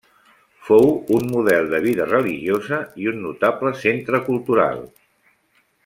Fou un model de vida religiosa i un notable centre cultural.